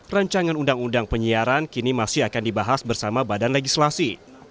rancangan undang undang penyiaran kini masih akan dibahas bersama badan legislasi